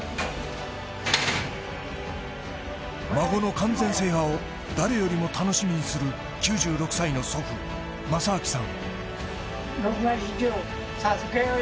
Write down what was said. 孫の完全制覇を誰よりも楽しみにする９６歳の祖父、正彰さん。